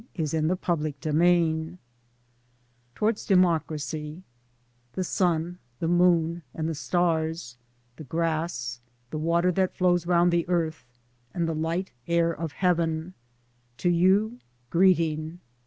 509 PART I TOWARDS DEMOCRACY TOWARDS DEMOCRACY The sun, the moon and the stars, the grass, the water that flows round the earth, and the light air of heaven : To You greeting.